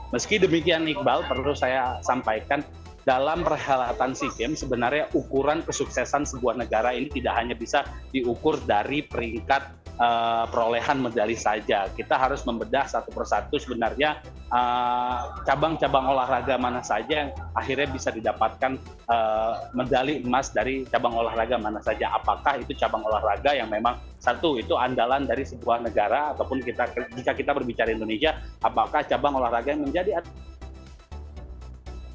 meski demikian iqbal perlu saya sampaikan dalam perhelatan si game sebenarnya ukuran kesuksesan sebuah negara ini tidak hanya bisa diukur dari peringkat perolehan medali saja kita harus membedah satu persatu sebenarnya cabang cabang olahraga mana saja yang akhirnya bisa didapatkan medali emas dari cabang olahraga mana saja apakah itu cabang olahraga yang memang satu itu andalan dari sebuah negara ataupun kita jika kita berbicara indonesia apakah cabang olahraga yang memang ada di dalam cabang olahraga